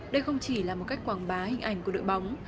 đây không chỉ là một cách quảng bá hình ảnh của đội bóng